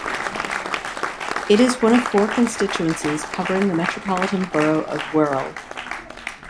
It is one of four constituencies covering the Metropolitan Borough of Wirral.